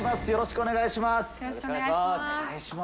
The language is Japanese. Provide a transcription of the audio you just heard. よろしくお願いします。